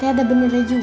ada beneran juga